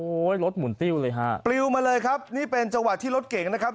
รถหมุนติ้วเลยฮะปลิวมาเลยครับนี่เป็นจังหวะที่รถเก่งนะครับ